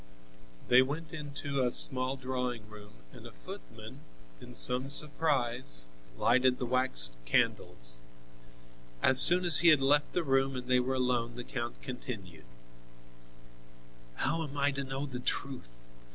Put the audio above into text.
They went into a small drawing room and a footman, in some surprise, lighted the wax candles. As soon as he had left the room and they were alone the count continued: "How am I to know the truth?